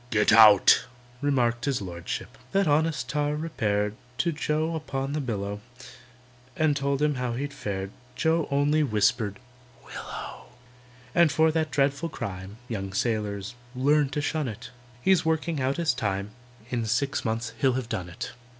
"Get out!" remarked his Lordship. That honest tar repaired To JOE upon the billow, And told him how he'd fared. JOE only whispered, "Willow!" And for that dreadful crime (Young sailors, learn to shun it) He's working out his time; In six months he'll have done it.